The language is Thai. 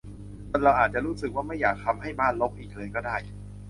จนเราอาจจะรู้สึกว่าไม่อยากทำให้บ้านรกอีกเลยก็ได้